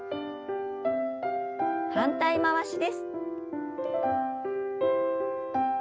反対回しです。